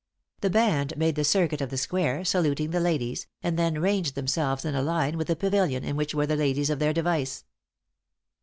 The band made the circuit of the square, saluting the ladies, and then ranged themselves in a line with the pavilion in which were the ladies of their device.